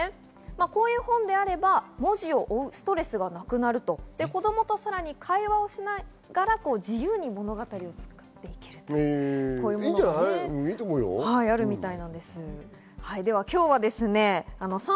こういう本であれば文字を追うストレスがなくなると子供とさらに会話をしながら自由に物語を作っていけるんです。